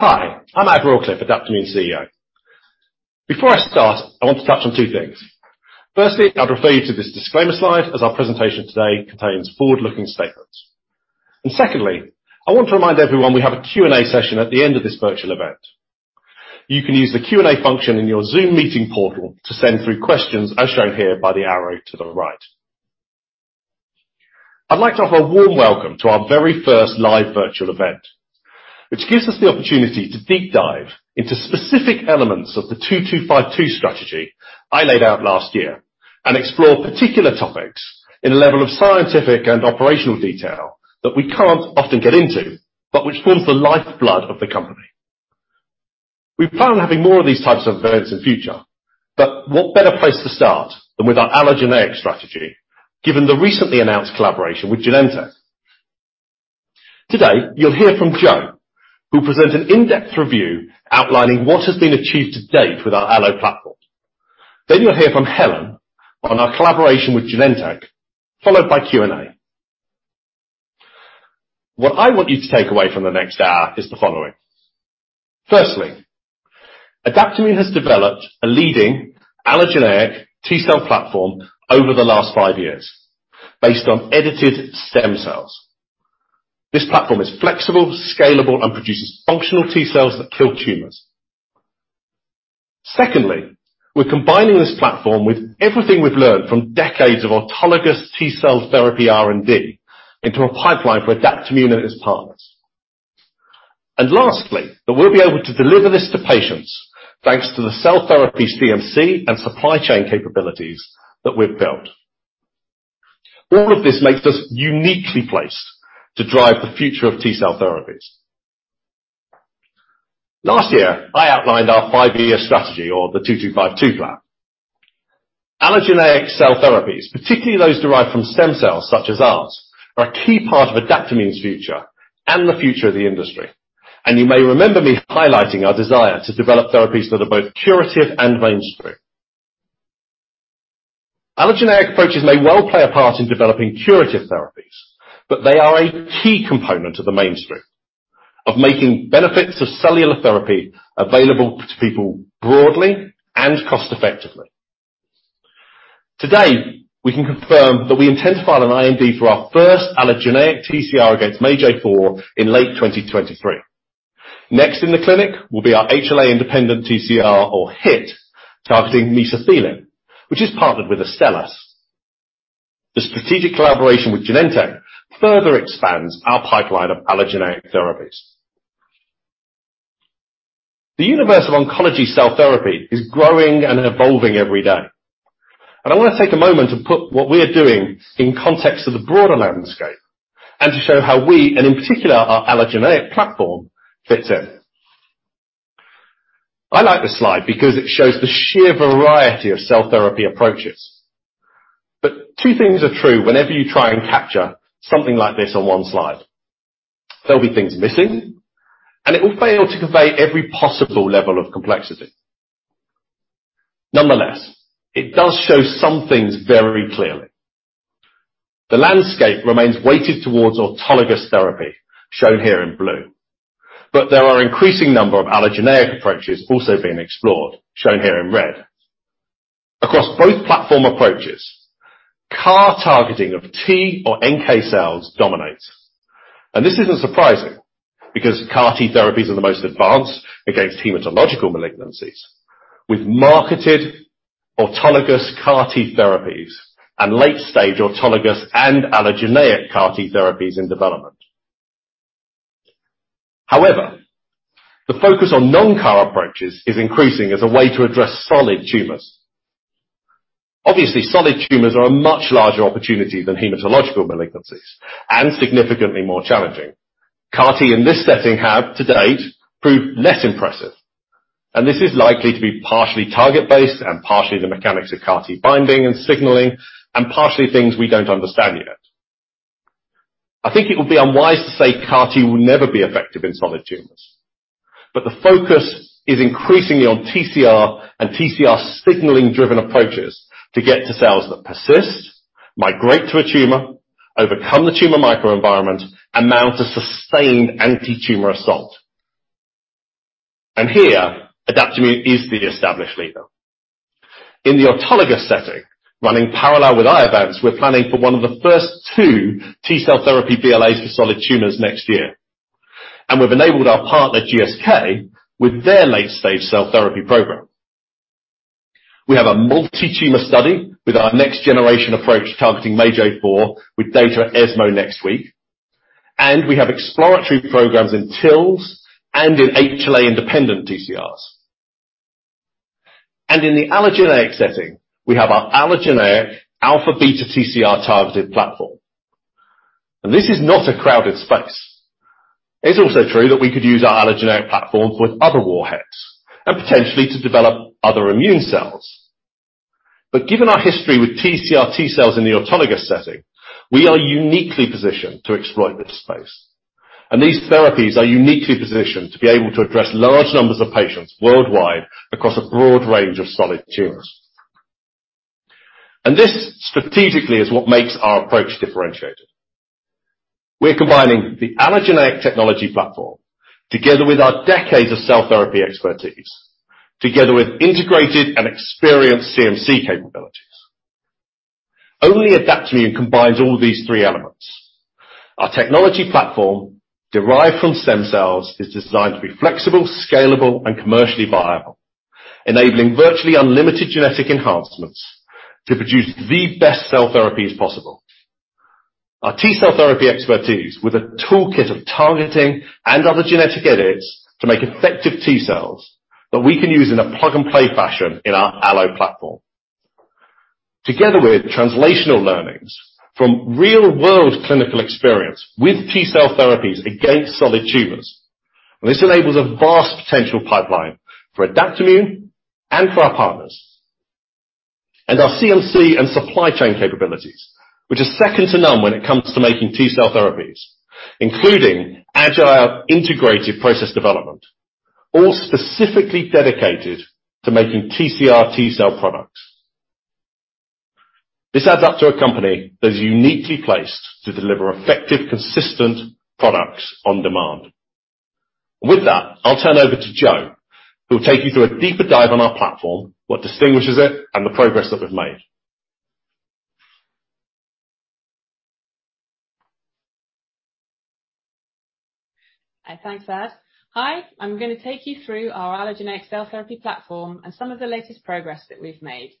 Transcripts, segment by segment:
Hi, I'm Ad Rawcliffe, Adaptimmune CEO. Before I start, I want to touch on two things. Firstly, I'll refer you to this disclaimer slide as our presentation today contains forward-looking statements. Secondly, I want to remind everyone we have a Q&A session at the end of this virtual event. You can use the Q&A function in your Zoom Meeting portal to send through questions as shown here by the arrow to the right. I'd like to offer a warm welcome to our very first live virtual event, which gives us the opportunity to deep dive into specific elements of the 2252 strategy I laid out last year, and explore particular topics in a level of scientific and operational detail that we can't often get into, but which forms the lifeblood of the company. We plan on having more of these types of events in future, but what better place to start than with our allogeneic strategy, given the recently announced collaboration with Genentech? Today, you'll hear from Jo, who presents an in-depth review outlining what has been achieved to date with our allo platform. You'll hear from Helen on our collaboration with Genentech, followed by Q&A. What I want you to take away from the next hour is the following. Firstly, Adaptimmune has developed a leading allogeneic T-cell platform over the last five years based on edited stem cells. This platform is flexible, scalable, and produces functional T-cells that kill tumors. Secondly, we're combining this platform with everything we've learned from decades of autologous T-cell therapy R&D into a pipeline for Adaptimmune and its partners. Lastly, that we'll be able to deliver this to patients thanks to the cell therapy's CMC and supply chain capabilities that we've built. All of this makes us uniquely placed to drive the future of T-cell therapies. Last year, I outlined our five-year strategy or the 2252 plan. Allogeneic cell therapies, particularly those derived from stem cells such as ours, are a key part of Adaptimmune's future and the future of the industry. You may remember me highlighting our desire to develop therapies that are both curative and mainstream. Allogeneic approaches may well play a part in developing curative therapies, but they are a key component of the mainstream, of making benefits of cellular therapy available to people broadly and cost effectively. Today, we can confirm that we intend to file an IND for our first allogeneic TCR against MAGE-A4 in late 2023. Next in the clinic will be our HLA-independent TCR or HIT targeting mesothelin, which is partnered with Astellas. The strategic collaboration with Genentech further expands our pipeline of allogeneic therapies. The universe of oncology cell therapy is growing and evolving every day. I want to take a moment to put what we are doing in context of the broader landscape and to show how we, and in particular, our allogeneic platform fits in. I like this slide because it shows the sheer variety of cell therapy approaches. Two things are true whenever you try and capture something like this on one slide. There'll be things missing, and it will fail to convey every possible level of complexity. Nonetheless, it does show some things very clearly. The landscape remains weighted towards autologous therapy, shown here in blue. There are increasing number of allogeneic approaches also being explored, shown here in red. Across both platform approaches, CAR targeting of T or NK cells dominates. This isn't surprising because CAR T therapies are the most advanced against hematological malignancies, with marketed autologous CAR T therapies and late-stage autologous and allogeneic CAR T therapies in development. However, the focus on non-CAR approaches is increasing as a way to address solid tumors. Obviously, solid tumors are a much larger opportunity than hematological malignancies, and significantly more challenging. CAR T in this setting have, to date, proved less impressive, and this is likely to be partially target-based and partially the mechanics of CAR T binding and signaling, and partially things we don't understand yet. I think it would be unwise to say CAR T will never be effective in solid tumors, but the focus is increasingly on TCR and TCR signaling-driven approaches to get to cells that persist, migrate to a tumor, overcome the tumor microenvironment, and mount a sustained anti-tumor assault. Here, Adaptimmune is the established leader. In the autologous setting, running parallel with Iovance, we're planning for one of the first two T-cell therapy BLAs for solid tumors next year. We've enabled our partner, GSK, with their late-stage cell therapy program. We have a multi-tumor study with our next-generation approach targeting MAGE-A4 with data at ESMO next week. We have exploratory programs in TILs and in HLA-independent TCRs. In the allogeneic setting, we have our allogeneic alpha-beta TCR targeted platform. This is not a crowded space. It's also true that we could use our allogeneic platforms with other warheads and potentially to develop other immune cells. Given our history with TCR T-cells in the autologous setting, we are uniquely positioned to exploit this space. These therapies are uniquely positioned to be able to address large numbers of patients worldwide across a broad range of solid tumors. This strategically is what makes our approach differentiated. We're combining the allogeneic technology platform together with our decades of cell therapy expertise, together with integrated and experienced CMC capabilities. Only Adaptimmune combines all these three elements. Our technology platform, derived from stem cells, is designed to be flexible, scalable, and commercially viable, enabling virtually unlimited genetic enhancements to produce the best cell therapies possible. Our T-cell therapy expertise with a toolkit of targeting and other genetic edits to make effective T-cells that we can use in a plug-and-play fashion in our allo platform. Together with translational learnings from real-world clinical experience with T-cell therapies against solid tumors, this enables a vast potential pipeline for Adaptimmune and for our partners. Our CMC and supply chain capabilities, which are second to none when it comes to making T-cell therapies, including agile, integrated process development, all specifically dedicated to making TCR T-cell products. This adds up to a company that is uniquely placed to deliver effective, consistent products on demand. With that, I'll turn over to Jo, who will take you through a deeper dive on our platform, what distinguishes it, and the progress that we've made. Thanks, Ad. Hi, I'm going to take you through our allogeneic cell therapy platform and some of the latest progress that we've made.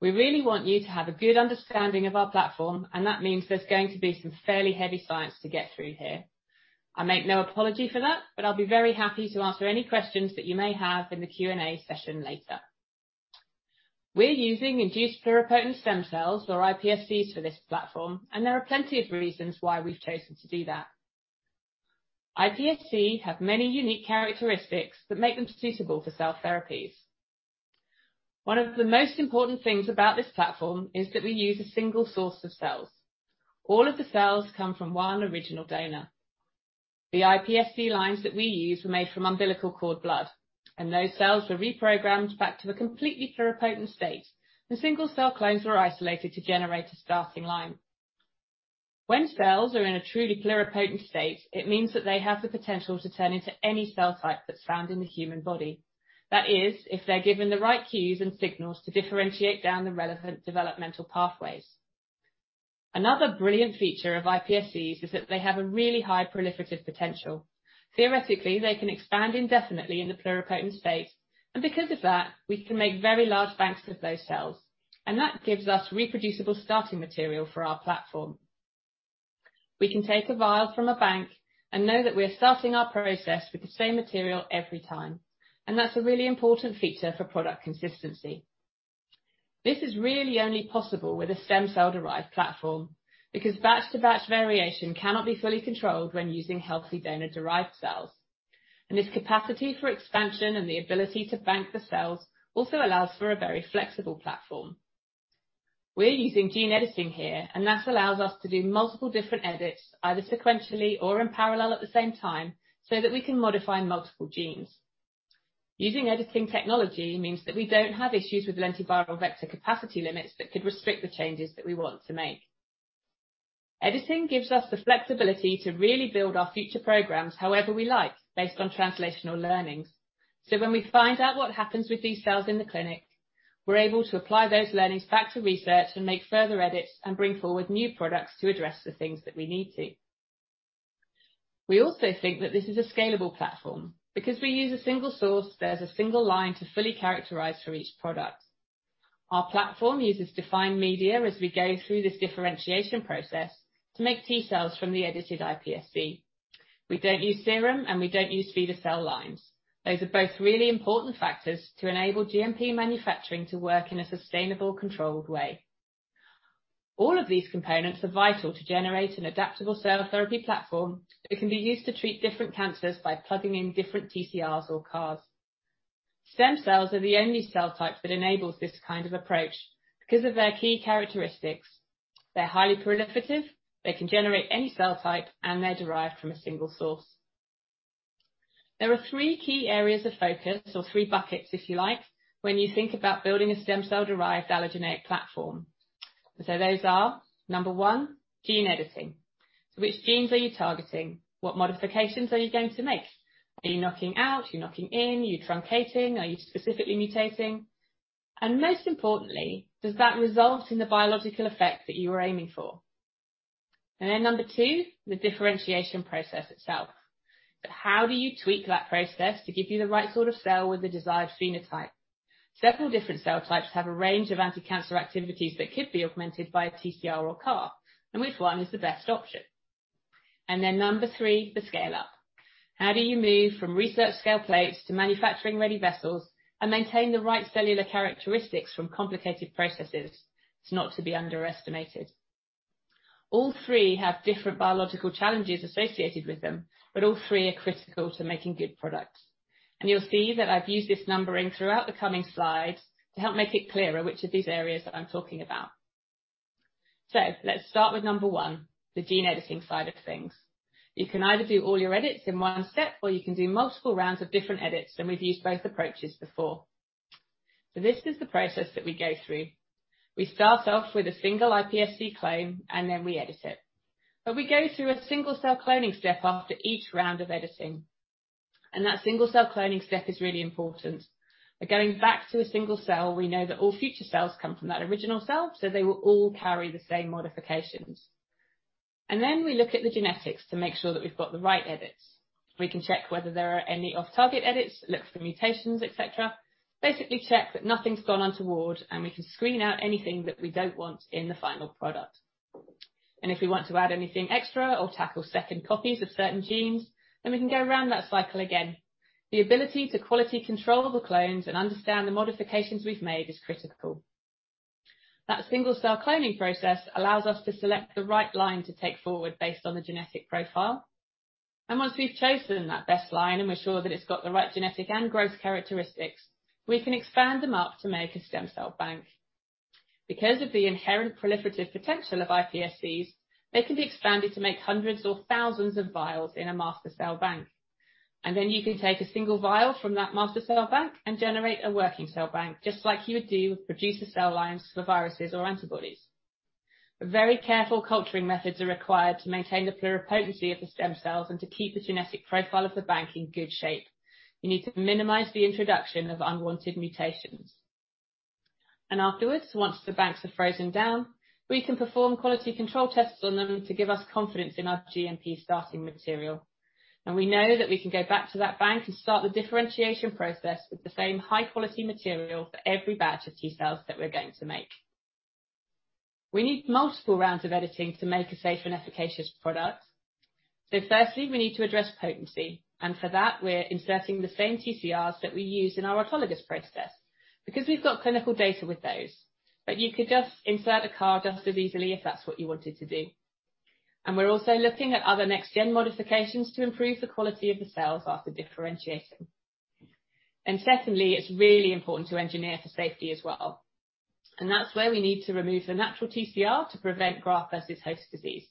We really want you to have a good understanding of our platform, and that means there's going to be some fairly heavy science to get through here. I make no apology for that, but I'll be very happy to answer any questions that you may have in the Q&A session later. We're using induced pluripotent stem cells, or iPSCs, for this platform, and there are plenty of reasons why we've chosen to do that. iPSCs have many unique characteristics that make them suitable for cell therapies. One of the most important things about this platform is that we use a single source of cells. All of the cells come from one original donor. The iPSC lines that we use were made from umbilical cord blood. Those cells were reprogrammed back to the completely pluripotent state. Single cell clones were isolated to generate a starting line. When cells are in a truly pluripotent state, it means that they have the potential to turn into any cell type that's found in the human body. That is, if they're given the right cues and signals to differentiate down the relevant developmental pathways. Another brilliant feature of iPSCs is that they have a really high proliferative potential. Theoretically, they can expand indefinitely in the pluripotent state. Because of that, we can make very large banks of those cells. That gives us reproducible starting material for our platform. We can take a vial from a bank and know that we are starting our process with the same material every time, and that's a really important feature for product consistency. This is really only possible with a stem cell-derived platform, because batch-to-batch variation cannot be fully controlled when using healthy donor-derived cells. This capacity for expansion and the ability to bank the cells also allows for a very flexible platform. We're using gene editing here, and that allows us to do multiple different edits, either sequentially or in parallel at the same time, so that we can modify multiple genes. Using editing technology means that we don't have issues with lentiviral vector capacity limits that could restrict the changes that we want to make. Editing gives us the flexibility to really build our future programs however we like, based on translational learnings. When we find out what happens with these cells in the clinic, we're able to apply those learnings back to research and make further edits and bring forward new products to address the things that we need to. We also think that this is a scalable platform. Because we use a single source, there's a single line to fully characterize for each product. Our platform uses defined media as we go through this differentiation process to make T-cells from the edited iPSC. We don't use serum, and we don't use feeder cell lines. Those are both really important factors to enable GMP manufacturing to work in a sustainable, controlled way. All of these components are vital to generate an Adaptimmune cell therapy platform that can be used to treat different cancers by plugging in different TCRs or CARs. Stem cells are the only cell type that enables this kind of approach because of their key characteristics. They're highly proliferative, they can generate any cell type, and they're derived from a single source. There are three key areas of focus, or three buckets, if you like, when you think about building a stem cell-derived allogeneic platform. Those are, number one, gene editing. Which genes are you targeting? What modifications are you going to make? Are you knocking out? Are you knocking in? Are you truncating? Are you specifically mutating? Most importantly, does that result in the biological effect that you are aiming for? Then number two, the differentiation process itself. How do you tweak that process to give you the right sort of cell with the desired phenotype? Several different cell types have a range of anti-cancer activities that could be augmented by a TCR or CAR. Which one is the best option? Number three, the scale-up. How do you move from research scale plates to manufacturing-ready vessels and maintain the right cellular characteristics from complicated processes? It's not to be underestimated. All three have different biological challenges associated with them, but all three are critical to making good products. You'll see that I've used this numbering throughout the coming slides to help make it clearer which of these areas that I'm talking about. Let's start with number one, the gene editing side of things. You can either do all your edits in one step, or you can do multiple rounds of different edits, and we've used both approaches before. This is the process that we go through. We start off with a single iPSC clone, and then we edit it. We go through a single-cell cloning step after each round of editing, and that single-cell cloning step is really important. By going back to a single cell, we know that all future cells come from that original cell, so they will all carry the same modifications. Then we look at the genetics to make sure that we've got the right edits. We can check whether there are any off-target edits, look for mutations, et cetera. Basically check that nothing's gone untoward, and we can screen out anything that we don't want in the final product. If we want to add anything extra or tackle second copies of certain genes, then we can go round that cycle again. The ability to quality control the clones and understand the modifications we've made is critical. That single-cell cloning process allows us to select the right line to take forward based on the genetic profile. Once we've chosen that best line and we're sure that it's got the right genetic and growth characteristics, we can expand them up to make a stem cell bank. Because of the inherent proliferative potential of iPSCs, they can be expanded to make hundreds or thousands of vials in a master cell bank. Then you can take a single vial from that master cell bank and generate a working cell bank, just like you would do with producer cell lines for viruses or antibodies. Very careful culturing methods are required to maintain the pluripotency of the stem cells and to keep the genetic profile of the bank in good shape. You need to minimize the introduction of unwanted mutations. Afterwards, once the banks are frozen down, we can perform quality control tests on them to give us confidence in our GMP starting material. We know that we can go back to that bank and start the differentiation process with the same high-quality material for every batch of T cells that we're going to make. We need multiple rounds of editing to make a safe and efficacious product. Firstly, we need to address potency. For that, we're inserting the same TCRs that we use in our autologous process because we've got clinical data with those. You could just insert a CAR just as easily if that's what you wanted to do. We're also looking at other next-gen modifications to improve the quality of the cells after differentiating. Secondly, it's really important to engineer for safety as well, and that's where we need to remove the natural TCR to prevent graft versus host disease.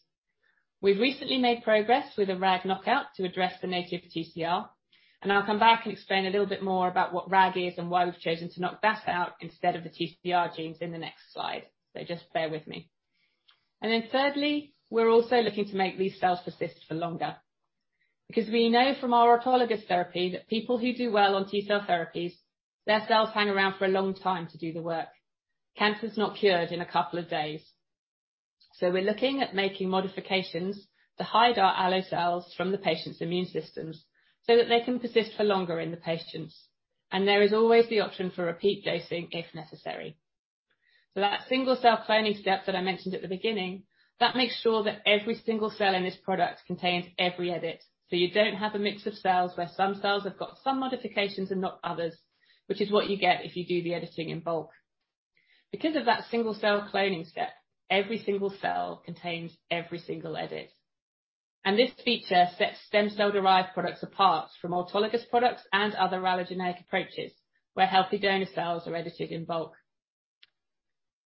We've recently made progress with a RAG knockout to address the native TCR. I'll come back and explain a little bit more about what RAG is and why we've chosen to knock that out instead of the TCR genes in the next slide. Just bear with me. Thirdly, we're also looking to make these cells persist for longer, because we know from our autologous therapy that people who do well on T-cell therapies, their cells hang around for a long time to do the work. Cancer's not cured in a couple of days. We're looking at making modifications to hide our allo cells from the patient's immune systems so that they can persist for longer in the patients. There is always the option for repeat dosing if necessary. That single-cell cloning step that I mentioned at the beginning, that makes sure that every single cell in this product contains every edit. You don't have a mix of cells where some cells have got some modifications and not others, which is what you get if you do the editing in bulk. Because of that single-cell cloning step, every single cell contains every single edit, and this feature sets stem cell-derived products apart from autologous products and other allogeneic approaches where healthy donor cells are edited in bulk.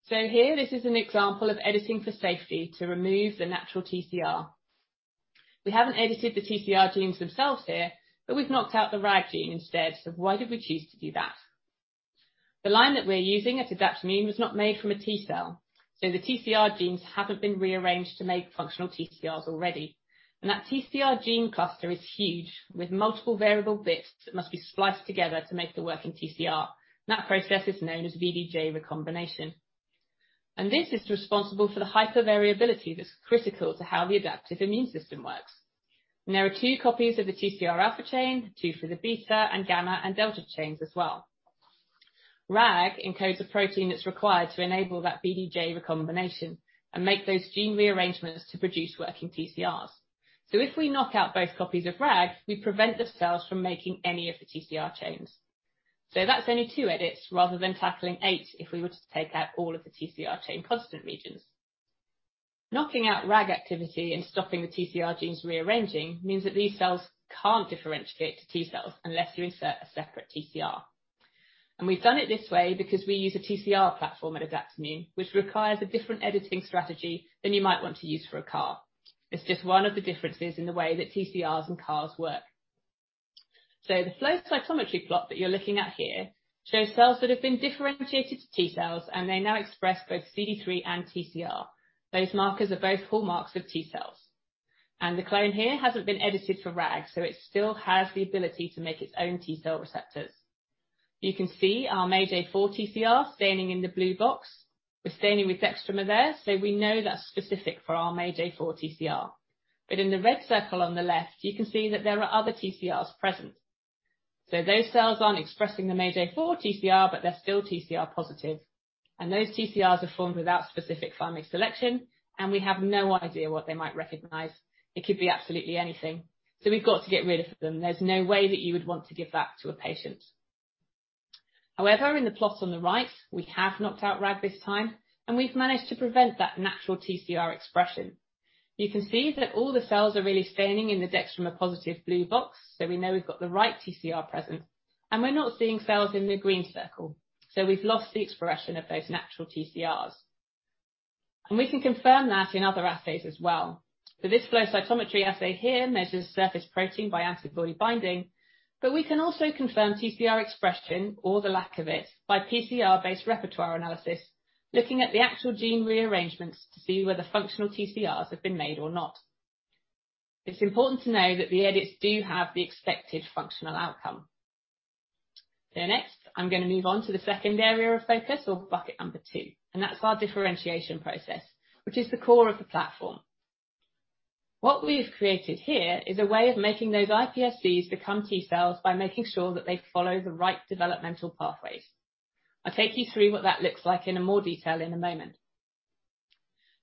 Here, this is an example of editing for safety to remove the natural TCR. We haven't edited the TCR genes themselves here, but we've knocked out the RAG gene instead. Why did we choose to do that? The line that we're using at Adaptimmune was not made from a T-cell, so the TCR genes haven't been rearranged to make functional TCRs already. That TCR gene cluster is huge, with multiple variable bits that must be spliced together to make the working TCR. That process is known as V(D)J recombination. This is responsible for the hypervariability that's critical to how the adaptive immune system works. There are two copies of the TCR alpha chain, two for the beta and gamma and delta chains as well. RAG encodes a protein that's required to enable that V(D)J recombination and make those gene rearrangements to produce working TCRs. If we knock out both copies of RAG, we prevent the cells from making any of the TCR chains. That's only two edits rather than tackling eight if we were to take out all of the TCR chain constant regions. Knocking out RAG activity and stopping the TCR genes rearranging means that these cells can't differentiate to T cells unless you insert a separate TCR. We've done it this way because we use a TCR platform at Adaptimmune, which requires a different editing strategy than you might want to use for a CAR. It's just one of the differences in the way that TCRs and CARs work. The flow cytometry plot that you're looking at here shows cells that have been differentiated to T cells, and they now express both CD3 and TCR. Those markers are both hallmarks of T cells. The clone here hasn't been edited for RAG, so it still has the ability to make its own T cell receptors. You can see our MAGE-A4 TCR staining in the blue box. We're staining with Dextramer there, so we know that's specific for our MAGE-A4 TCR. In the red circle on the left, you can see that there are other TCRs present. Those cells aren't expressing the MAGE-A4 TCR, but they're still TCR positive, and those TCRs are formed without specific family selection, and we have no idea what they might recognize. It could be absolutely anything. We've got to get rid of them. There's no way that you would want to give that to a patient. In the plot on the right, we have knocked out RAG this time, and we've managed to prevent that natural TCR expression. You can see that all the cells are really staining in the Dextramer positive blue box, so we know we've got the right TCR present, and we're not seeing cells in the green circle. We've lost the expression of those natural TCRs. We can confirm that in other assays as well. This flow cytometry assay here measures surface protein by antibody binding, but we can also confirm TCR expression or the lack of it by PCR-based repertoire analysis, looking at the actual gene rearrangements to see whether functional TCRs have been made or not. It's important to know that the edits do have the expected functional outcome. Next, I'm going to move on to the second area of focus or bucket number two, and that's our differentiation process, which is the core of the platform. What we've created here is a way of making those iPSCs become T cells by making sure that they follow the right developmental pathways. I'll take you through what that looks like in more detail in a moment.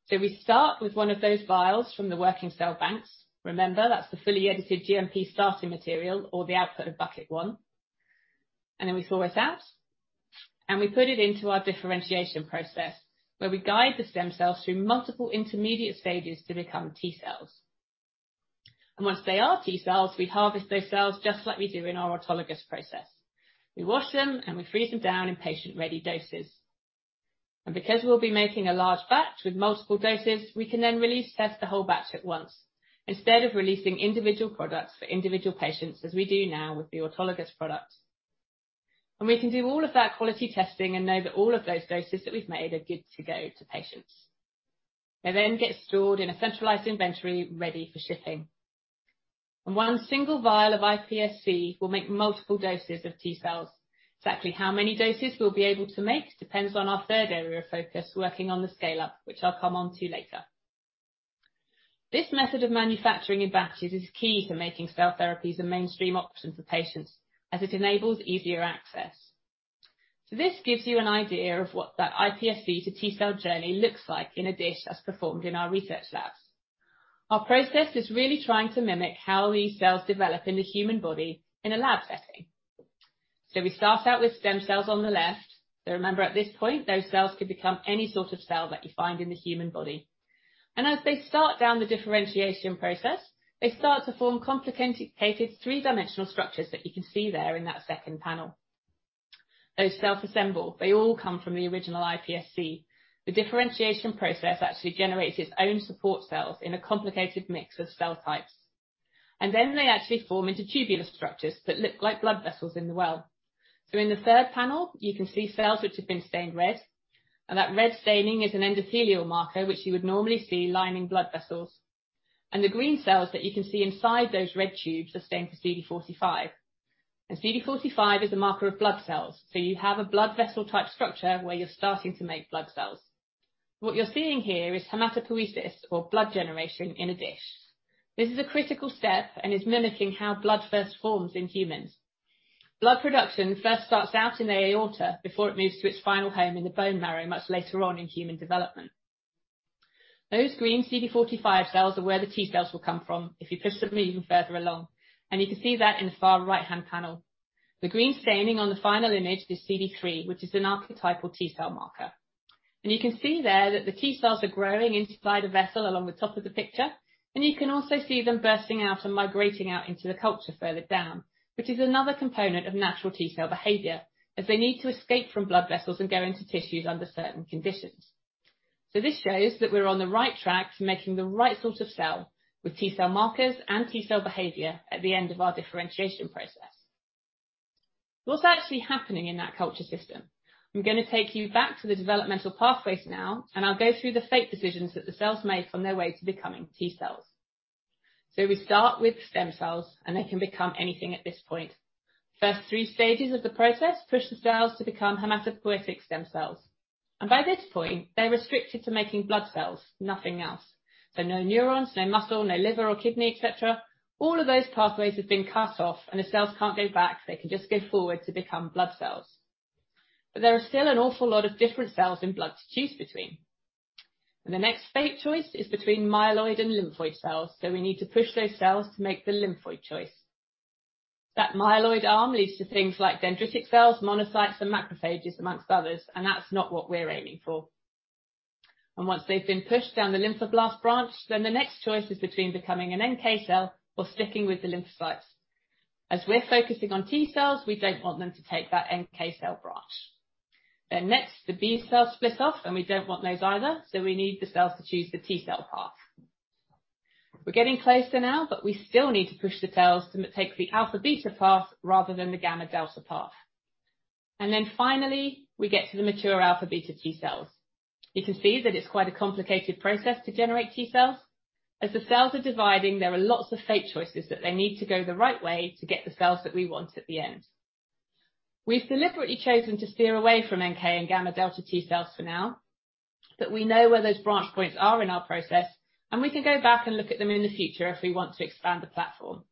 We start with one of those vials from the working cell banks. Remember, that's the fully edited GMP starting material or the output of bucket one. We thaw this out, and we put it into our differentiation process, where we guide the stem cells through multiple intermediate stages to become T cells. Once they are T cells, we harvest those cells just like we do in our autologous process. We wash them, and we freeze them down in patient-ready doses. Because we'll be making a large batch with multiple doses, we can then release test the whole batch at once instead of releasing individual products for individual patients, as we do now with the autologous product. We can do all of that quality testing and know that all of those doses that we've made are good to go to patients. They then get stored in a centralized inventory ready for shipping. One single vial of iPSC will make multiple doses of T cells. Exactly how many doses we'll be able to make depends on our third area of focus, working on the scale-up, which I'll come on to later. This method of manufacturing in batches is key to making cell therapies a mainstream option for patients as it enables easier access. This gives you an idea of what that iPSC to T-cell journey looks like in a dish as performed in our research labs. Our process is really trying to mimic how these cells develop in the human body in a lab setting. We start out with stem cells on the left. Remember at this point, those cells could become any sort of cell that you find in the human body. As they start down the differentiation process, they start to form complicated three-dimensional structures that you can see there in that second panel. Those self-assemble, they all come from the original iPSC. The differentiation process actually generates its own support cells in a complicated mix of cell types. Then they actually form into tubular structures that look like blood vessels in the well. In the third panel, you can see cells which have been stained red. That red staining is an endothelial marker, which you would normally see lining blood vessels. The green cells that you can see inside those red tubes are stained for CD45. CD45 is a marker of blood cells, so you have a blood vessel type structure where you're starting to make blood cells. What you're seeing here is hematopoiesis or blood generation in a dish. This is a critical step and is mimicking how blood first forms in humans. Blood production first starts out in the aorta before it moves to its final home in the bone marrow much later on in human development. Those green CD45 cells are where the T cells will come from if you push them even further along, and you can see that in the far right-hand panel. The green staining on the final image is CD3, which is an archetypal T cell marker. You can see there that the T cells are growing inside a vessel along the top of the picture, and you can also see them bursting out and migrating out into the culture further down, which is another component of natural T cell behavior as they need to escape from blood vessels and go into tissues under certain conditions. This shows that we're on the right track to making the right sort of cell with T cell markers and T cell behavior at the end of our differentiation process. What's actually happening in that culture system? I'm going to take you back to the developmental pathways now, and I'll go through the fate decisions that the cells make on their way to becoming T cells. We start with stem cells. They can become anything at this point. First three stages of the process push the cells to become hematopoietic stem cells. By this point, they're restricted to making blood cells, nothing else. No neurons, no muscle, no liver or kidney, et cetera. All of those pathways have been cut off and the cells can't go back. They can just go forward to become blood cells. There are still an awful lot of different cells in blood to choose between. The next fate choice is between myeloid and lymphoid cells. We need to push those cells to make the lymphoid choice. That myeloid arm leads to things like dendritic cells, monocytes, and macrophages, amongst others, and that's not what we're aiming for. Once they've been pushed down the lymphoblast branch, then the next choice is between becoming an NK cell or sticking with the lymphocytes. As we're focusing on T cells, we don't want them to take that NK cell branch. Next, the B cells split off, and we don't want those either, so we need the cells to choose the T cell path. We're getting closer now, but we still need to push the cells to take the alpha-beta path rather than the gamma-delta path. Finally, we get to the mature alpha-beta T cells. You can see that it's quite a complicated process to generate T cells. As the cells are dividing, there are lots of fate choices that they need to go the right way to get the cells that we want at the end. We've deliberately chosen to steer away from NK and gamma-delta T cells for now, but we know where those branch points are in our process, and we can go back and look at them in the future if we want to expand the platform.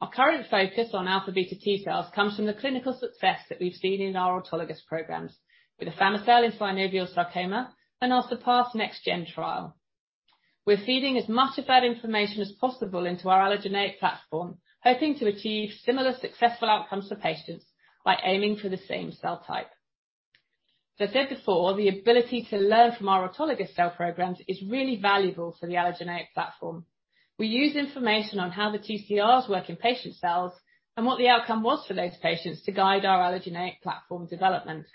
Our current focus on alpha-beta T cells comes from the clinical success that we've seen in our autologous programs with afami-cel synovial sarcoma and our SURPASS next gen trial. We're feeding as much of that information as possible into our allogeneic platform, hoping to achieve similar successful outcomes for patients by aiming for the same cell type. As I said before, the ability to learn from our autologous cell programs is really valuable for the allogeneic platform. We use information on how the TCRs work in patient cells and what the outcome was for those patients to guide our allogeneic platform development.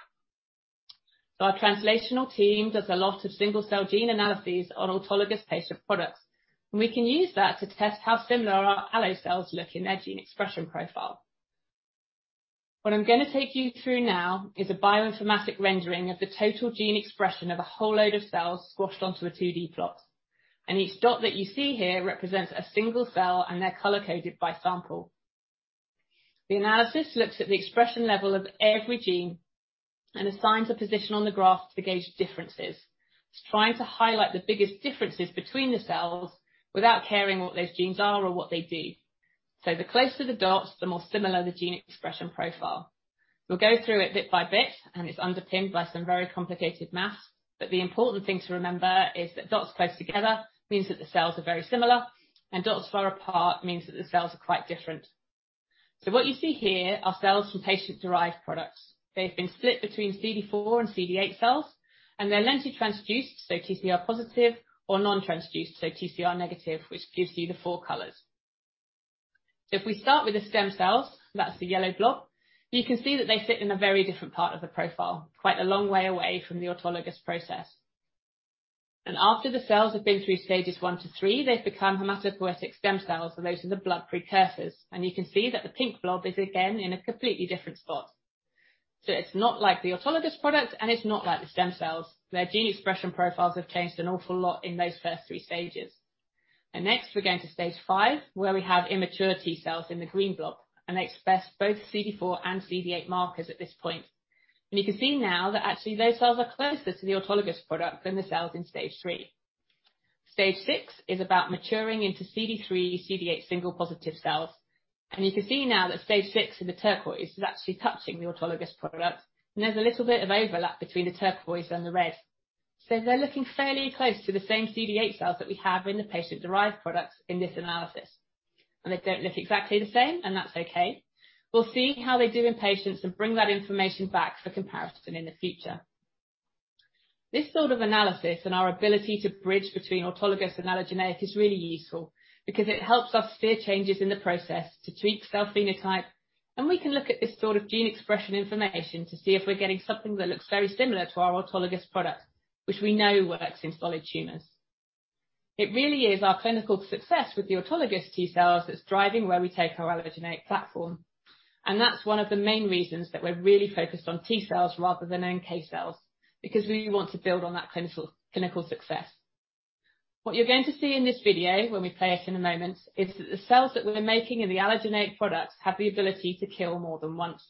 Our translational team does a lot of single-cell gene analyses on autologous patient products, and we can use that to test how similar our allo cells look in their gene expression profile. What I'm going to take you through now is a bioinformatic rendering of the total gene expression of a whole load of cells squashed onto a 2D plot. Each dot that you see here represents a single cell, and they're color-coded by sample. The analysis looks at the expression level of every gene and assigns a position on the graph to gauge differences. It's trying to highlight the biggest differences between the cells without caring what those genes are or what they do. The closer the dots, the more similar the gene expression profile. We'll go through it bit by bit, and it's underpinned by some very complicated math. The important thing to remember is that dots close together means that the cells are very similar, and dots far apart means that the cells are quite different. What you see here are cells from patient-derived products. They've been split between CD4 and CD8 cells, and they're lentiviral transduced, so TCR positive or non-transduced, so TCR negative, which gives you the four colors. If we start with the stem cells, that's the yellow blob, you can see that they sit in a very different part of the profile, quite a long way away from the autologous process. After the cells have been through stages one to three, they've become hematopoietic stem cells, so those are the blood precursors. It's not like the autologous product, and it's not like the stem cells. Their gene expression profiles have changed an awful lot in those first three stages. Next, we're going to stage five, where we have immature T cells in the green blob, and they express both CD4 and CD8 markers at this point. You can see now that actually those cells are closer to the autologous product than the cells in stage three. Stage six is about maturing into CD3/CD8 single positive cells, and you can see now that stage six in the turquoise is actually touching the autologous product, and there's a little bit of overlap between the turquoise and the red. They're looking fairly close to the same CD8 cells that we have in the patient-derived products in this analysis. They don't look exactly the same, and that's okay. We'll see how they do in patients and bring that information back for comparison in the future. This sort of analysis and our ability to bridge between autologous and allogeneic is really useful because it helps us steer changes in the process to tweak cell phenotype, and we can look at this sort of gene expression information to see if we're getting something that looks very similar to our autologous product, which we know works in solid tumors. It really is our clinical success with the autologous T cells that's driving where we take our allogeneic platform. That's one of the main reasons that we're really focused on T cells rather than NK cells, because we want to build on that clinical success. What you're going to see in this video, when we play it in a moment, is that the cells that we're making in the allogeneic products have the ability to kill more than once.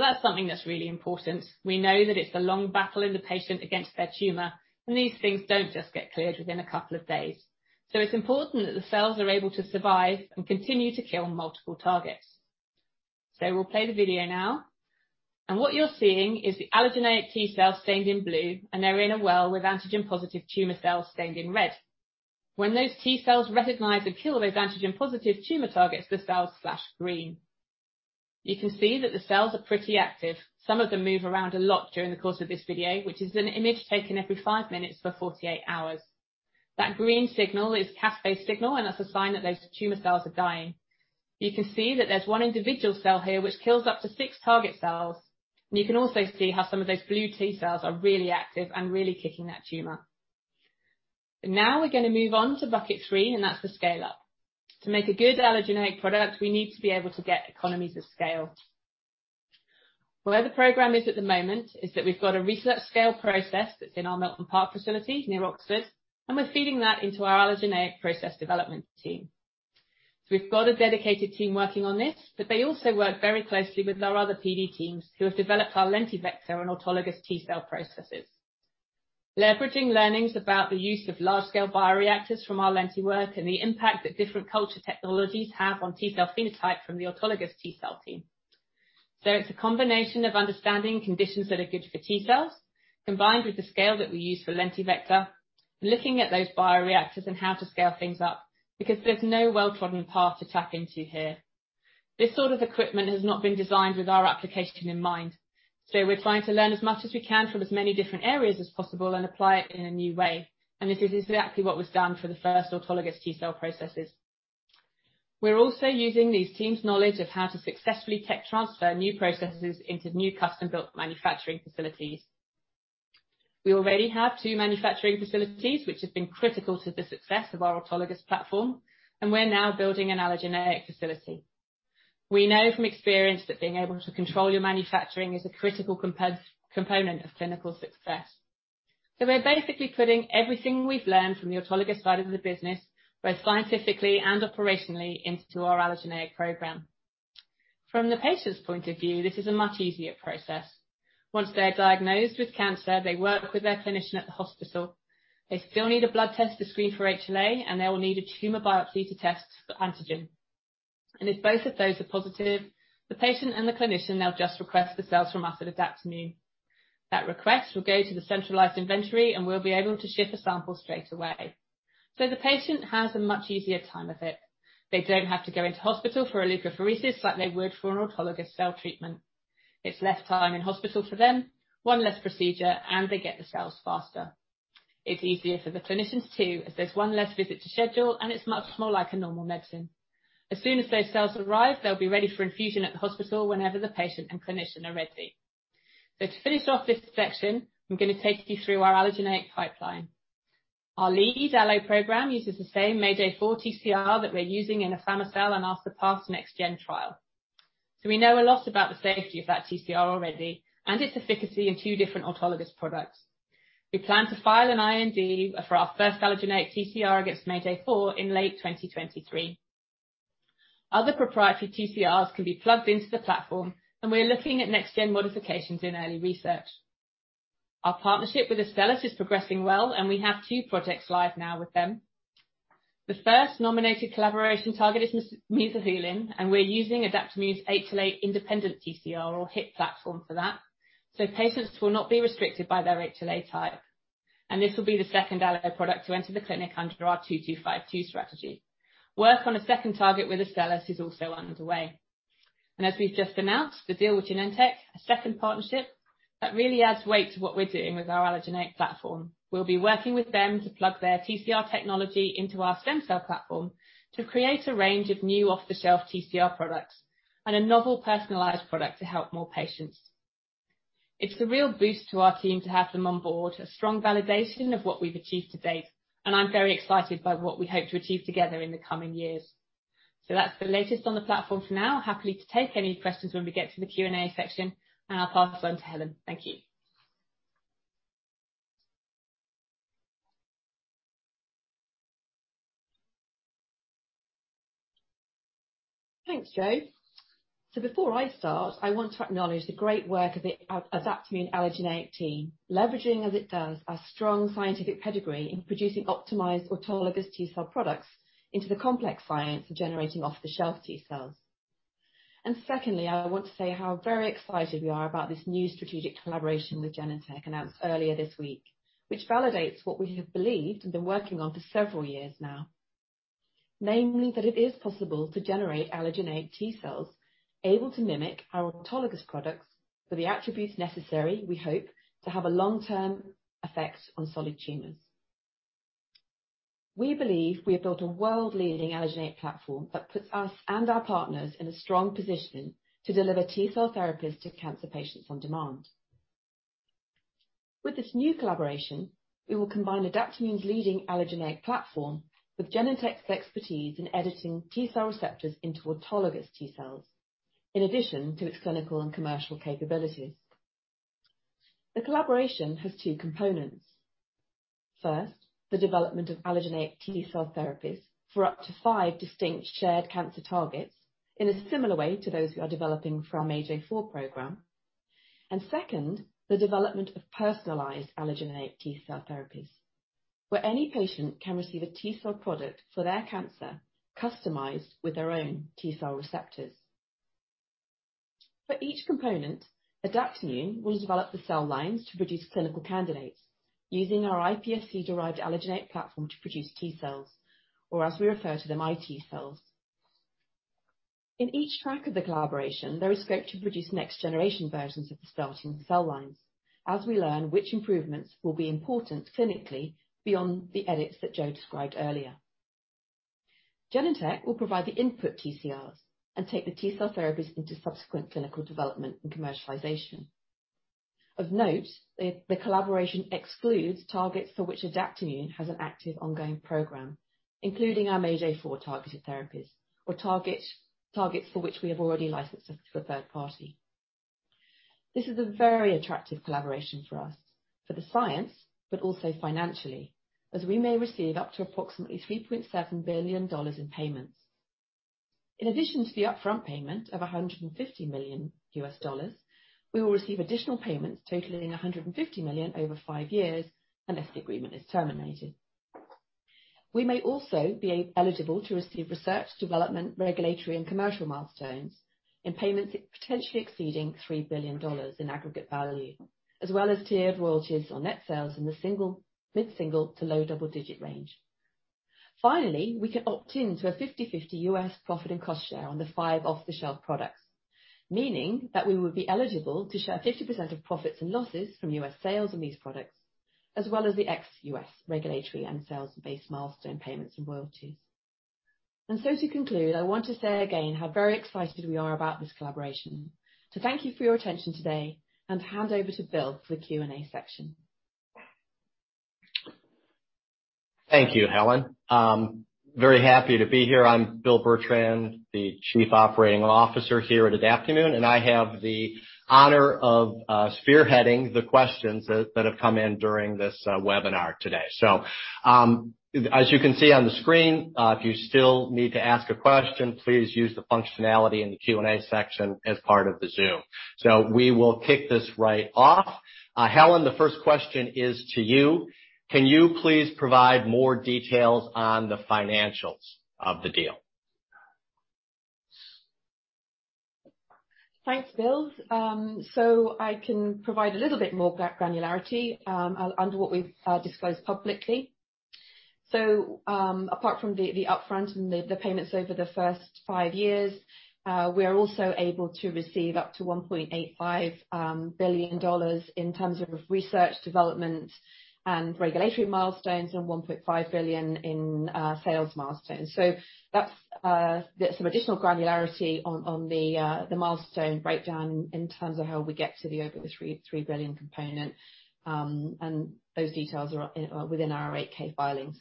That's something that's really important. We know that it's a long battle in the patient against their tumor, and these things don't just get cleared within a couple of days. It's important that the cells are able to survive and continue to kill multiple targets. We'll play the video now. What you're seeing is the allogeneic T-cell stained in blue. They're in a well with antigen-positive tumor cells stained in red. When those T-cells recognize and kill those antigen-positive tumor targets, the cells flash green. You can see that the cells are pretty active. Some of them move around a lot during the course of this video, which is an image taken every five minutes for 48 hours. That green signal is caspase-based signal, and that's a sign that those tumor cells are dying. You can see that there's one individual cell here which kills up to six target cells, and you can also see how some of those blue T-cells are really active and really kicking that tumor. Now we're going to move on to bucket three, and that's the scale-up. To make a good allogeneic product, we need to be able to get economies of scale. Where the program is at the moment is that we've got a research scale process that's in our Milton Park facilities near Oxford, and we're feeding that into our allogeneic process development team. We've got a dedicated team working on this, but they also work very closely with our other PD teams who have developed our lentivector and autologous T cell processes, leveraging learnings about the use of large-scale bioreactors from our lenti work and the impact that different culture technologies have on T cell phenotype from the autologous T cell team. It's a combination of understanding conditions that are good for T cells, combined with the scale that we use for lentivector, looking at those bioreactors and how to scale things up, because there's no well-trodden path to tap into here. This sort of equipment has not been designed with our application in mind. We're trying to learn as much as we can from as many different areas as possible and apply it in a new way. This is exactly what was done for the first autologous T-cell processes. We're also using these teams' knowledge of how to successfully tech transfer new processes into new custom-built manufacturing facilities. We already have two manufacturing facilities, which has been critical to the success of our autologous platform, and we're now building an allogeneic facility. We're basically putting everything we've learned from the autologous side of the business, both scientifically and operationally, into our allogeneic program. From the patient's point of view, this is a much easier process. Once they're diagnosed with cancer, they work with their clinician at the hospital. They still need a blood test to screen for HLA, and they will need a tumor biopsy to test for antigen. If both of those are positive, the patient and the clinician, they'll just request the cells from us at Adaptimmune. That request will go to the centralized inventory, and we'll be able to ship a sample straight away. The patient has a much easier time of it. They don't have to go into hospital for a leukapheresis like they would for an autologous cell treatment. It's less time in hospital for them, one less procedure, and they get the cells faster. It's easier for the clinicians too, as there's one less visit to schedule, and it's much more like a normal medicine. As soon as those cells arrive, they'll be ready for infusion at the hospital whenever the patient and clinician are ready. To finish off this section, I'm going to take you through our allogeneic pipeline. Our lead allo program uses the same MAGE-A4 TCR that we're using in afami-cel and our SURPASS next-gen trial. We know a lot about the safety of that TCR already and its efficacy in two different autologous products. We plan to file an IND for our first allogeneic TCR against MAGE-A4 in late 2023. Other proprietary TCRs can be plugged into the platform, and we're looking at next-gen modifications in early research. Our partnership with Astellas is progressing well, and we have two projects live now with them. The first nominated collaboration target is mesothelin, and we're using Adaptimmune's HLA independent TCR or HIT platform for that. Patients will not be restricted by their HLA type, and this will be the second allo product to enter the clinic under our 2252 strategy. Work on a second target with Astellas is also underway. As we've just announced the deal with Genentech, a second partnership that really adds weight to what we're doing with our allogeneic platform. We'll be working with them to plug their TCR technology into our stem cell platform to create a range of new off-the-shelf TCR products and a novel personalized product to help more patients. It's a real boost to our team to have them on board, a strong validation of what we've achieved to date, and I'm very excited by what we hope to achieve together in the coming years. That's the latest on the platform for now. Happy to take any questions when we get to the Q&A section, and I'll pass this on to Helen. Thank you. Thanks, Jo. Before I start, I want to acknowledge the great work of the Adaptimmune allogeneic team, leveraging as it does our strong scientific pedigree in producing optimized autologous T-cell products into the complex science of generating off-the-shelf T-cells. Secondly, I want to say how very excited we are about this new strategic collaboration with Genentech announced earlier this week, which validates what we have believed and been working on for several years now. Namely, that it is possible to generate allogeneic T-cells able to mimic our autologous products for the attributes necessary, we hope, to have a long-term effect on solid tumors. We believe we have built a world-leading allogeneic platform that puts us and our partners in a strong position to deliver T-cell therapies to cancer patients on demand. With this new collaboration, we will combine Adaptimmune's leading allogeneic platform with Genentech's expertise in editing T-cell receptors into autologous T-cells, in addition to its clinical and commercial capabilities. The collaboration has two components. First, the development of allogeneic T-cell therapies for up to five distinct shared cancer targets in a similar way to those we are developing for our MAGE-A4 program. Second, the development of personalized allogeneic T-cell therapies, where any patient can receive a T-cell product for their cancer customized with their own T-cell receptors. For each component, Adaptimmune will develop the cell lines to produce clinical candidates using our iPSC-derived allogeneic platform to produce T-cells, or as we refer to them, iT-cells. In each track of the collaboration, there is scope to produce next-generation versions of the starting cell lines as we learn which improvements will be important clinically beyond the edits that Jo described earlier. Genentech will provide the input TCRs and take the T-cell therapies into subsequent clinical development and commercialization. Of note, the collaboration excludes targets for which Adaptimmune has an active ongoing program, including our MAGE-A4 targeted therapies or targets for which we have already licensed to a third party. This is a very attractive collaboration for us, for the science, but also financially, as we may receive up to approximately $3.7 billion in payments. In addition to the upfront payment of $150 million U.S. dollars, we will receive additional payments totaling $150 million over five years unless the agreement is terminated. We may also be eligible to receive research, development, regulatory, and commercial milestones in payments potentially exceeding $3 billion in aggregate value, as well as tiered royalties on net sales in the mid-single to low-double-digit range. Finally, we can opt in to a 50/50 U.S. profit and cost share on the five off-the-shelf products, meaning that we will be eligible to share 50% of profits and losses from U.S. sales on these products, as well as the ex-U.S. regulatory and sales-based milestone payments and royalties. To conclude, I want to say again how very excited we are about this collaboration. Thank you for your attention today, and hand over to Bill for the Q&A section. Thank you, Helen. Very happy to be here. I'm Bill Bertrand, the Chief Operating Officer here at Adaptimmune, and I have the honor of spearheading the questions that have come in during this webinar today. As you can see on the screen, if you still need to ask a question, please use the functionality in the Q&A section as part of the Zoom. We will kick this right off. Helen, the first question is to you. Can you please provide more details on the financials of the deal? Thanks, Bill. I can provide a little bit more granularity under what we've disclosed publicly. Apart from the upfront and the payments over the first five years, we are also able to receive up to $1.85 billion in terms of research development and regulatory milestones and $1.5 billion in sales milestones. That's some additional granularity on the milestone breakdown in terms of how we get to the over 3 billion component. Those details are within our 8-K filings.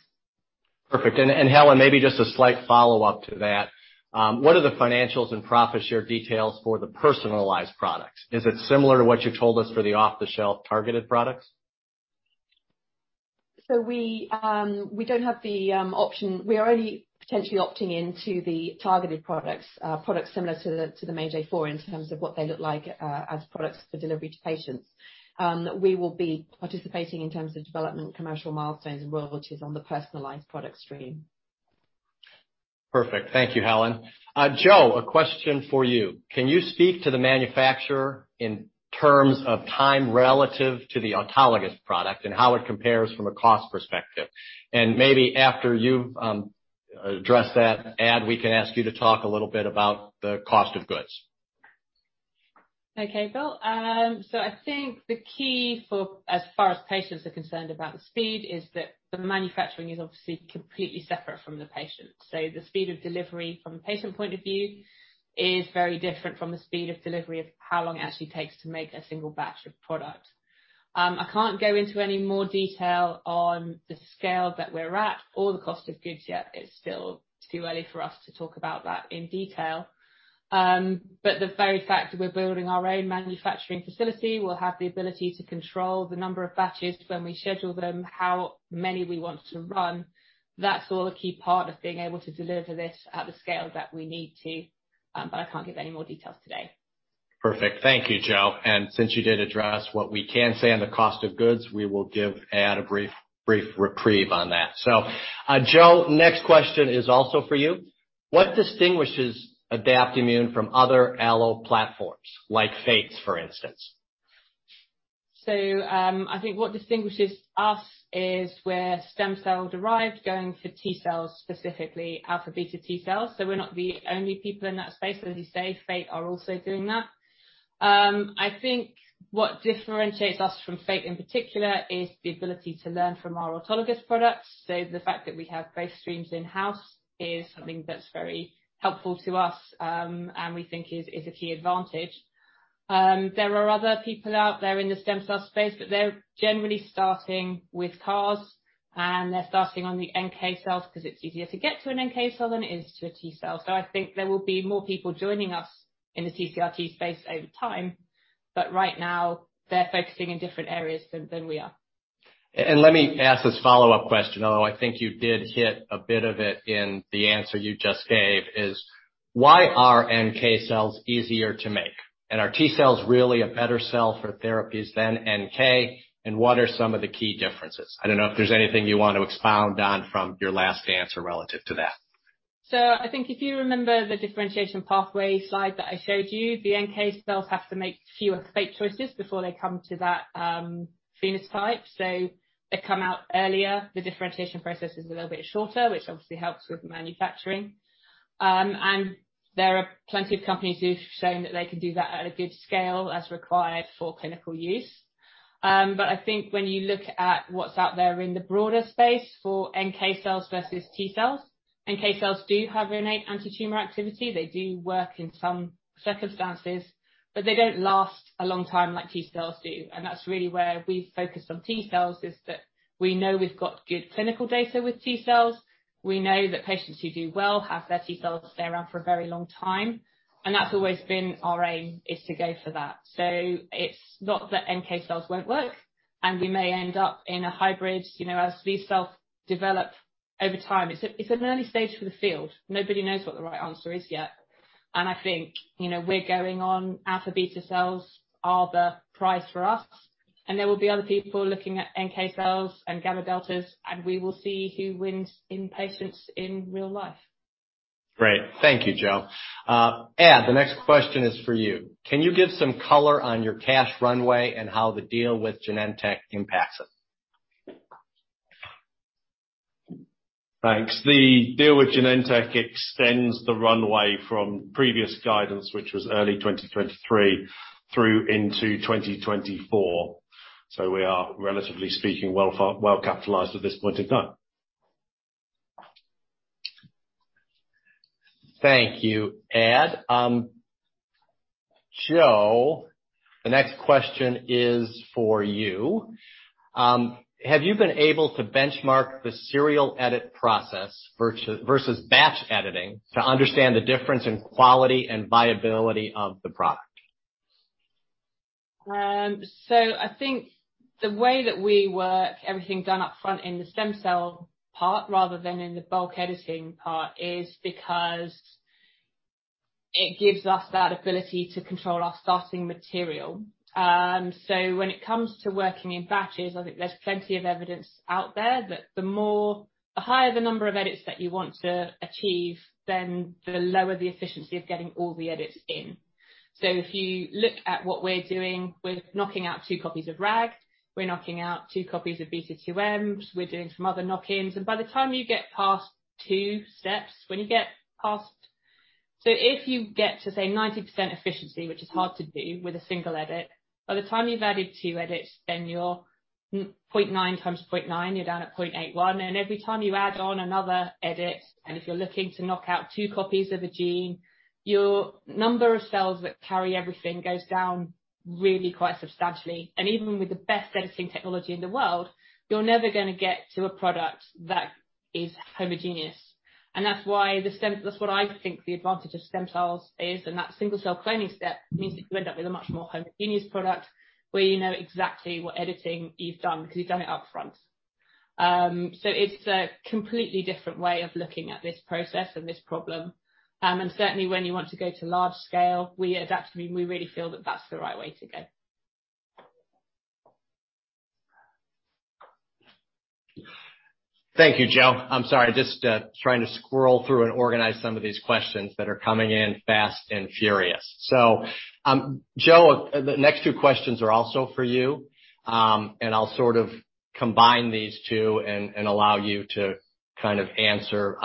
Perfect. Helen, maybe just a slight follow-up to that. What are the financials and profit share details for the personalized products? Is it similar to what you told us for the off-the-shelf targeted products? We don't have the option. We are only potentially opting into the targeted products similar to the MAGE-A4 in terms of what they look like, as products for delivery to patients. We will be participating in terms of development, commercial milestones as well, which is on the personalized product stream. Perfect. Thank you, Helen. Jo, a question for you. Can you speak to the manufacturer in terms of time relative to the autologous product and how it compares from a cost perspective? Maybe after you've addressed that, Ad, we can ask you to talk a little bit about the cost of goods. Okay, Bill. I think the key for as far as patients are concerned about the speed is that the manufacturing is obviously completely separate from the patient. The speed of delivery from a patient point of view is very different from the speed of delivery of how long it actually takes to make a single batch of product. I can't go into any more detail on the scale that we're at or the cost of goods yet. It's still too early for us to talk about that in detail. The very fact that we're building our own manufacturing facility, we'll have the ability to control the number of batches when we schedule them, how many we want to run. That's all a key part of being able to deliver this at the scale that we need to. I can't give any more details today. Perfect. Thank you, Jo. Since you did address what we can say on the cost of goods, we will give Ad a brief reprieve on that. Jo, next question is also for you. What distinguishes Adaptimmune from other allo platforms like Fate's, for instance? I think what distinguishes us is we're stem cell derived, going for T cells, specifically alpha-beta T cells. As you say, Fate are also doing that. I think what differentiates us from Fate in particular is the ability to learn from our autologous products. The fact that we have both streams in-house is something that's very helpful to us, and we think is a key advantage. There are other people out there in the stem cell space, but they're generally starting with CARs, and they're starting on the NK cells because it's easier to get to an NK cell than it is to a T cell. I think there will be more people joining us in the TCR T space over time, but right now they're focusing in different areas than we are. Let me ask this follow-up question, although I think you did hit a bit of it in the answer you just gave, is why are NK cells easier to make? Are T cells really a better cell for therapies than NK? What are some of the key differences? I don't know if there's anything you want to expound on from your last answer relative to that. I think if you remember the differentiation pathway slide that I showed you, the NK cells have to make fewer fate choices before they come to that phenotype. They come out earlier. The differentiation process is a little bit shorter, which obviously helps with manufacturing. There are plenty of companies who've shown that they can do that at a good scale as required for clinical use. I think when you look at what's out there in the broader space for NK cells versus T-cells, NK cells do have innate antitumor activity. They do work in some circumstances, but they don't last a long time like T-cells do. That's really where we focus on T-cells, is that we know we've got good clinical data with T-cells. We know that patients who do well have their T cells stay around for a very long time, and that's always been our aim, is to go for that. It's not that NK cells won't work. We may end up in a hybrid, as these cells develop over time. It's an early stage for the field. Nobody knows what the right answer is yet. I think, we're going on alpha-beta cells are the prize for us, and there will be other people looking at NK cells and gamma-deltas, and we will see who wins in patients in real life. Great. Thank you, Jo. Ed, the next question is for you. Can you give some color on your cash runway and how the deal with Genentech impacts it? Thanks. The deal with Genentech extends the runway from previous guidance, which was early 2023 through into 2024. We are, relatively speaking, well capitalized at this point in time. Thank you, Ed. Jo, the next question is for you. Have you been able to benchmark the serial edit process versus batch editing to understand the difference in quality and viability of the product? I think the way that we work everything done up front in the stem cell part rather than in the bulk editing part is because it gives us that ability to control our starting material. When it comes to working in batches, I think there's plenty of evidence out there that the higher the number of edits that you want to achieve, then the lower the efficiency of getting all the edits in. If you look at what we're doing, we're knocking out two copies of RAG. We're knocking out two copies of B2M. We're doing some other knock-ins, by the time you get past two steps, if you get to, say, 90% efficiency, which is hard to do with a single edit, by the time you've added two edits, then you're 0.9 times 0.9, you're down at 0.81. Every time you add on another edit, if you're looking to knock out two copies of a gene, your number of cells that carry everything goes down really quite substantially. Even with the best editing technology in the world, you're never going to get to a product that is homogeneous. That's what I think the advantage of stem cells is. That single cell cloning step means that you end up with a much more homogeneous product where you know exactly what editing you've done because you've done it upfront. It's a completely different way of looking at this process and this problem. Certainly when you want to go to large scale, we at Adaptimmune, we really feel that that's the right way to go. Thank you, Jo. I'm sorry, just trying to scroll through and organize some of these questions that are coming in fast and furious. Jo, the next two questions are also for you. I'll sort of combine these two and allow you to kind of answer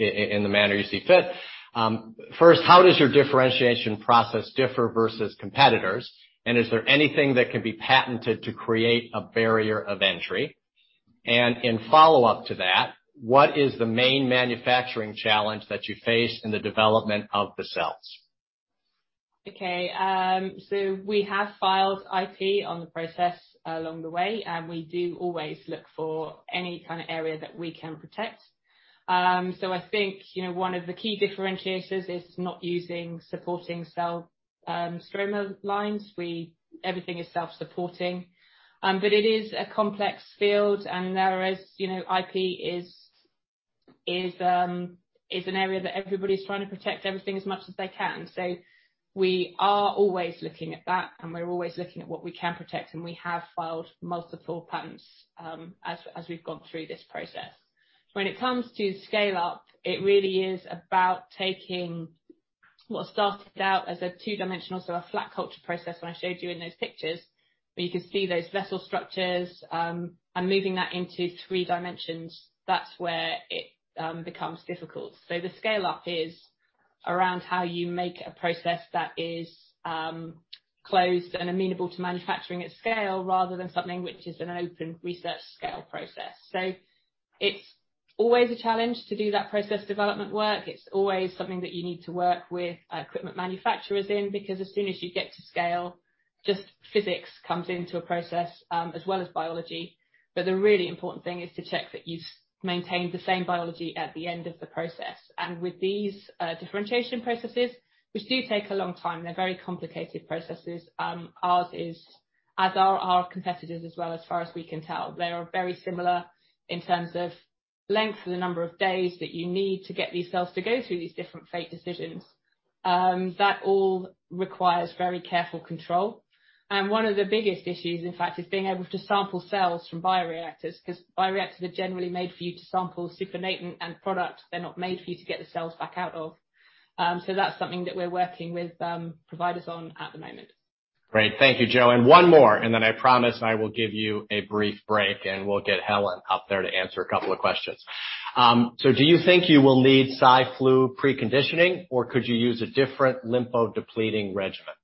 in the manner you see fit. First, how does your differentiation process differ versus competitors, and is there anything that can be patented to create a barrier of entry? In follow-up to that, what is the main manufacturing challenge that you face in the development of the cells? Okay. We have filed IP on the process along the way, and we do always look for any kind of area that we can protect. I think one of the key differentiators is not using supporting cell stroma lines. Everything is self-supporting. It is a complex field, and whereas IP is an area that everybody's trying to protect everything as much as they can. We are always looking at that, and we're always looking at what we can protect, and we have filed multiple patents as we've gone through this process. When it comes to scale up, it really is about taking what started out as a two dimensional, so a flat culture process when I showed you in those pictures, where you could see those vessel structures, and moving that into three dimensions. That's where it becomes difficult. The scale-up is around how you make a process that is closed and amenable to manufacturing at scale rather than something which is an open research scale process. It's always a challenge to do that process development work. It's always something that you need to work with equipment manufacturers in, because as soon as you get to scale, just physics comes into a process as well as biology. The really important thing is to check that you've maintained the same biology at the end of the process. With these differentiation processes, which do take a long time, they're very complicated processes. Ours is, as are our competitors as well, as far as we can tell. They are very similar in terms of length and the number of days that you need to get these cells to go through these different fate decisions. That all requires very careful control. One of the biggest issues, in fact, is being able to sample cells from bioreactors, because bioreactors are generally made for you to sample supernatant and product. They're not made for you to get the cells back out of. That's something that we're working with providers on at the moment. Great. Thank you, Jo. One more, and then I promise I will give you a brief break, and we'll get Helen up there to answer two questions. Do you think you will need Cy/Flu preconditioning, or could you use a different lympho-depleting regimen?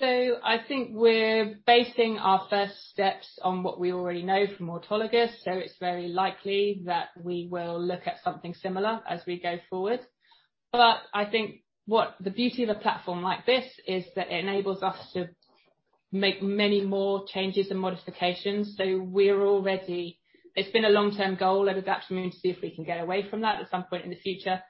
I think we're basing our first steps on what we already know from autologous, so it's very likely that we will look at something similar as we go forward. I think what the beauty of a platform like this is that it enables us to make many more changes and modifications. It's been a long-term goal at Adaptimmune to see if we can get away from that at some point in the future.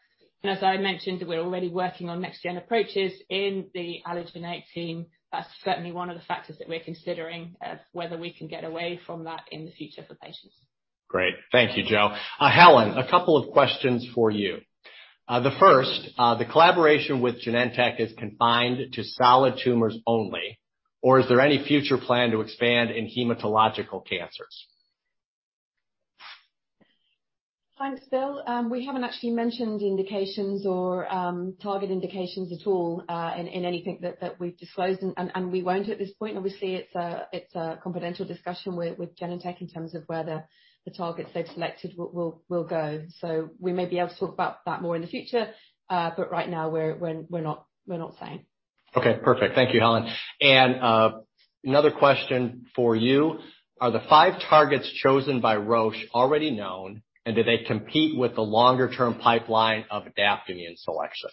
As I mentioned, we're already working on next-gen approaches in the allogeneic team. That's certainly one of the factors that we're considering of whether we can get away from that in the future for patients. Great. Thank you, Jo. Helen, a couple of questions for you. The first, the collaboration with Genentech is confined to solid tumors only, or is there any future plan to expand in hematological cancers? Thanks, Bill. We haven't actually mentioned indications or target indications at all in anything that we've disclosed, and we won't at this point. Obviously, it's a confidential discussion with Genentech in terms of whether the targets they've selected will go. We may be able to talk about that more in the future. Right now we're not saying. Okay, perfect. Thank you, Helen. Another question for you, are the five targets chosen by Roche already known, and do they compete with the longer-term pipeline of Adaptimmune selection?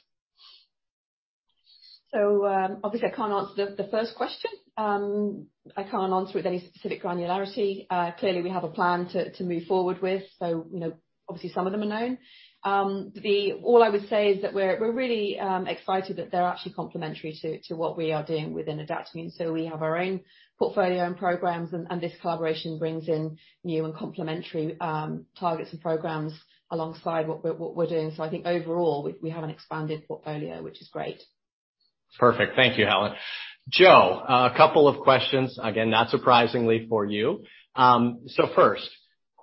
Obviously I can't answer the first question. I can't answer with any specific granularity. Clearly, we have a plan to move forward with. Obviously, some of them are known. All I would say is that we're really excited that they're actually complementary to what we are doing within Adaptimmune. We have our own portfolio and programs, and this collaboration brings in new and complementary targets and programs alongside what we're doing. I think overall, we have an expanded portfolio, which is great. Perfect. Thank you, Helen. Jo, a couple of questions, again, not surprisingly for you. First,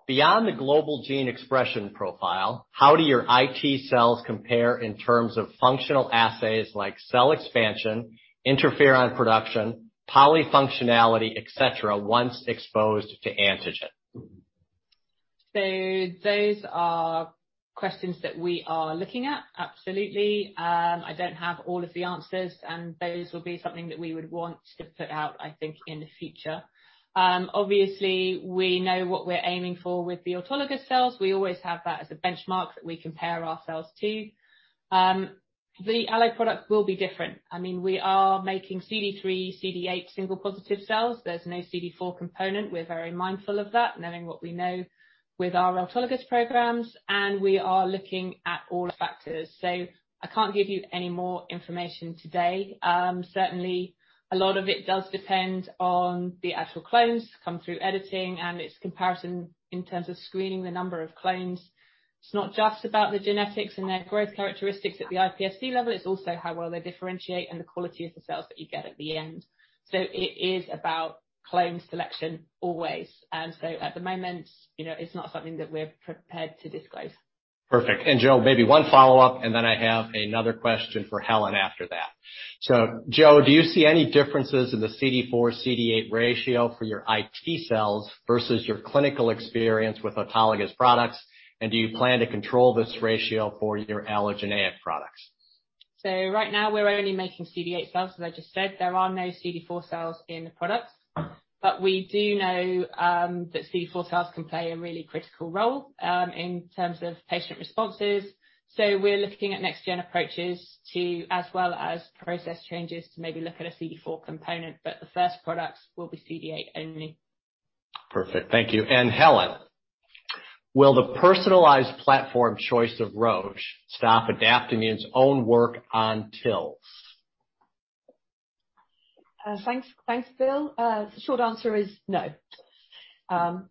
beyond the global gene expression profile, how do your iT-cells compare in terms of functional assays like cell expansion, interferon production, polyfunctionality, et cetera, once exposed to antigen? Those are questions that we are looking at, absolutely. I don't have all of the answers, and those will be something that we would want to put out, I think, in the future. Obviously, we know what we're aiming for with the autologous cells. We always have that as a benchmark that we compare our cells to. The allo product will be different. We are making CD3, CD8 single positive cells. There's no CD4 component. We're very mindful of that, knowing what we know with our autologous programs, and we are looking at all factors. I can't give you any more information today. Certainly, a lot of it does depend on the actual clones come through editing, and it's comparison in terms of screening the number of clones. It's not just about the genetics and their growth characteristics at the iPSC level, it's also how well they differentiate and the quality of the cells that you get at the end. It is about clone selection always. At the moment, it's not something that we're prepared to disclose. Perfect. Joanna, maybe one follow-up, and then I have another question for Helen after that. Joanna, do you see any differences in the CD4, CD8 ratio for your iT-cells versus your clinical experience with autologous products? Do you plan to control this ratio for your allogeneic products? Right now, we're only making CD8 cells, as I just said. There are no CD4 cells in the product. We do know that CD4 cells can play a really critical role in terms of patient responses. We're looking at next gen approaches to as well as process changes to maybe look at a CD4 component. The first products will be CD8 only. Perfect. Thank you. Helen, will the personalized platform choice of Roche stop Adaptimmune's own work on TILs? Thanks. Thanks, Bill. The short answer is no.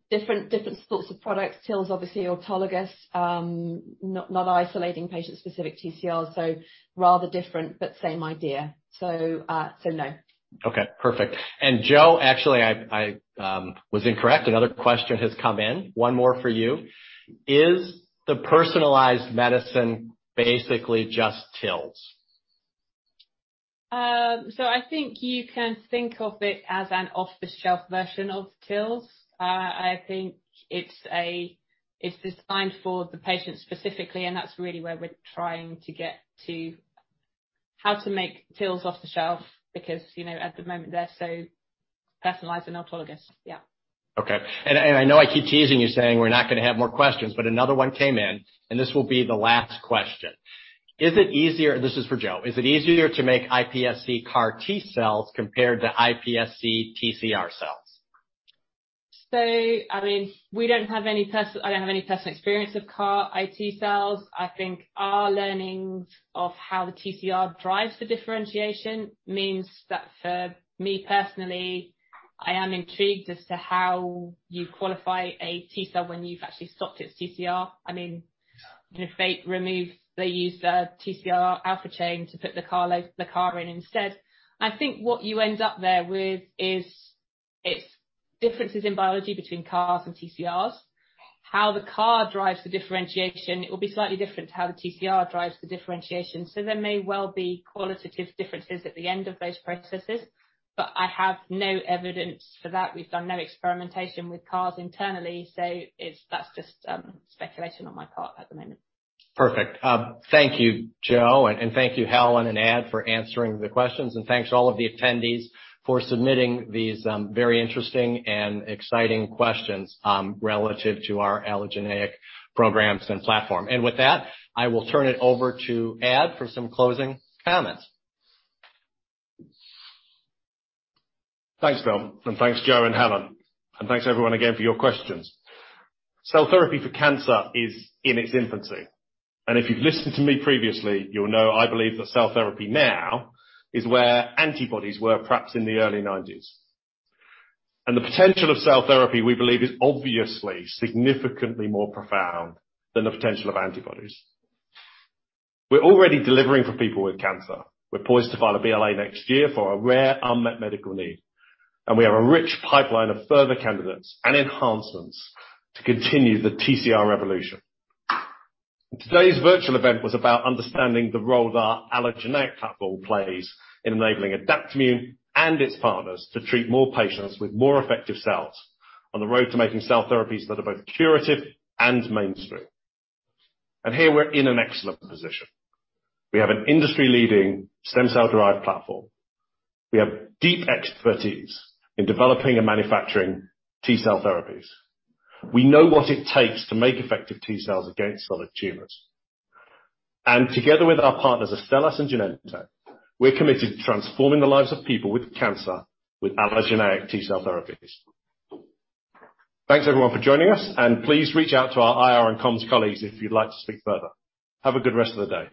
Different sorts of products. TILs obviously autologous, not isolating patient-specific TCRs, so rather different but same idea. No. Okay, perfect. Jo, actually, I was incorrect. Another question has come in. One more for you. Is the personalized medicine basically just TILs? I think you can think of it as an off-the-shelf version of TILs. I think it's designed for the patient specifically, and that's really where we're trying to get to how to make TILs off the shelf because, you know, at the moment, they're so personalized and autologous. Yeah. Okay. I know I keep teasing you saying we're not going to have more questions, but another one came in and this will be the last question. This is for Joanna. Is it easier to make iPSC CAR T cells compared to iPSC TCR cells? I mean, we don't have any personal I don't have any personal experience with CAR iT-cells. I think our learnings of how the TCR drives the differentiation means that for me personally, I am intrigued as to how you qualify a T cell when you've actually stopped its TCR. I mean, if they remove, they use the TCR alpha chain to put the CAR in instead. I think what you end up there with is its differences in biology between CARs and TCRs, how the CAR drives the differentiation, it will be slightly different to how the TCR drives the differentiation. There may well be qualitative differences at the end of those processes, but I have no evidence for that. We've done no experimentation with CARs internally, that's just speculation on my part at the moment. Perfect. Thank you, Jo, and thank you Helen and Ed for answering the questions. Thanks to all of the attendees for submitting these very interesting and exciting questions relative to our allogeneic programs and platform. With that, I will turn it over to Ed for some closing comments. Thanks, Bill. Thanks Jo and Helen. Thanks everyone again for your questions. Cell therapy for cancer is in its infancy. If you've listened to me previously, you'll know I believe that cell therapy now is where antibodies were perhaps in the early nineties. The potential of cell therapy, we believe, is obviously significantly more profound than the potential of antibodies. We're already delivering for people with cancer. We're poised to file a BLA next year for a rare unmet medical need. We have a rich pipeline of further candidates and enhancements to continue the TCR revolution. Today's virtual event was about understanding the role that our allogeneic platform plays in enabling Adaptimmune and its partners to treat more patients with more effective cells on the road to making cell therapies that are both curative and mainstream. Here we're in an excellent position. We have an industry-leading stem cell-derived platform. We have deep expertise in developing and manufacturing T-cell therapies. We know what it takes to make effective T-cells against solid tumors. Together with our partners, Astellas and Genentech, we're committed to transforming the lives of people with cancer with allogeneic T-cell therapies. Thanks, everyone, for joining us, and please reach out to our IR and comms colleagues if you'd like to speak further. Have a good rest of the day.